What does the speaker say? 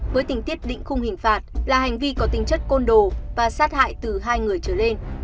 với tình tiết định khung hình phạt là hành vi có tính chất côn đồ và sát hại từ hai người trở lên